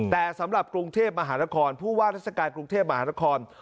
แต่สำหรับกรุงเทพมหานครผู้ว่าราชการกรุงเทพมหานคร